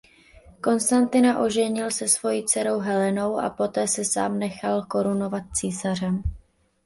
Konstantina oženil se svojí dcerou Helenou a poté se sám nechal korunovat císařem.